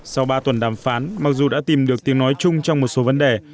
sau ba tuần đàm phán mặc dù đã tìm được tiếng nói chung trong một số vấn đề